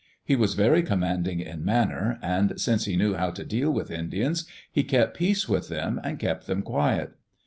He was very commanding in manner, and since he knew how to deal with Indians, he kept peace with them and kept them quiet.